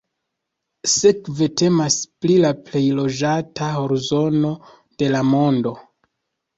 Sekve temas pri la plej loĝata horzono de la mondo.